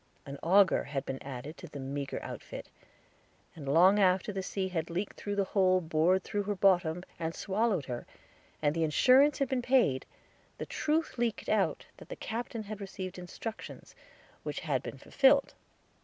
An auger had been added to the meager outfit, and long after the sea had leaked through the hole bored through her bottom, and swallowed her, and the insurance had been paid, the truth leaked out that the captain had received instructions, which had been fulfilled.